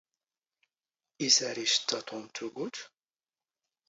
ⵉⵙ ⴰⵔ ⵉⵛⵜⵜⴰ ⵜⵓⵎ ⵜⵓⴳⵓⵜ?